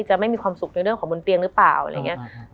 จะไม่มีความสุขในเรื่องของบนเตียงหรือเปล่าอะไรอย่างนี้